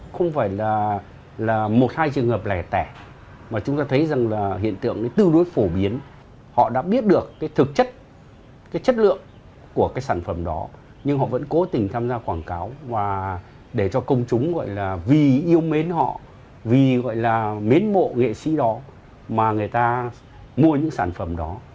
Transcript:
phó giáo sư tiến sĩ phạm ngọc trung đã gọi là mến mộ nghệ sĩ đó mà người ta mua những sản phẩm đó